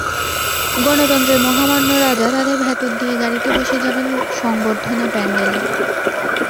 গণতন্ত্রের মহামান্য রাজা তাদের ভেতর দিয়ে গাড়িতে বসে যাবেন সংবর্ধনা প্যান্ডেলে।